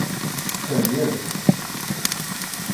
Sfergen-t.